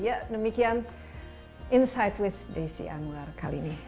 ya demikian insight with desi anwar kali ini